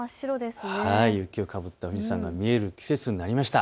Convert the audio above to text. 雪をかぶった富士山が見える季節になりました。